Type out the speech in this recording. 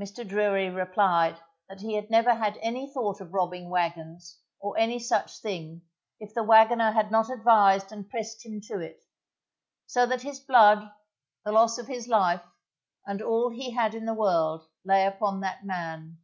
Mr. Drury replied that he had never had any thought of robbing wagons, or any such thing, if the wagoner had not advised and pressed him to it; so that his blood, the loss of his life, and all he had in the world lay upon that man.